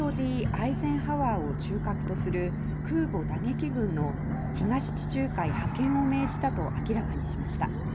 アイゼンハワーを中核とする空母打撃群の東地中海への派遣を命じたと明らかにしました。